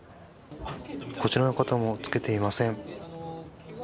こちらの方も着けていません。